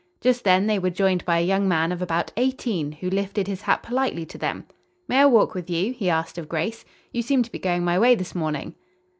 Just then they were joined by a young man of about eighteen, who lifted his hat politely to them. "May I walk with you?" he asked of Grace. "You seem to be going my way this morning."